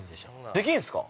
◆できるんですか。